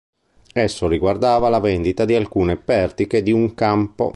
Esso riguardava la vendita di alcune pertiche di un campo.